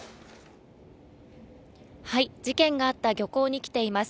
事件があった漁港に来ています。